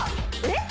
えっ！？